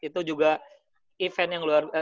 itu juga event yang luar biasa